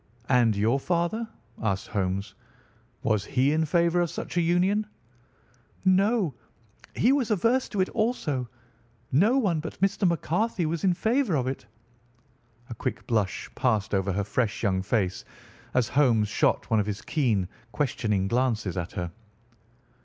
"And your father?" asked Holmes. "Was he in favour of such a union?" "No, he was averse to it also. No one but Mr. McCarthy was in favour of it." A quick blush passed over her fresh young face as Holmes shot one of his keen, questioning glances at her.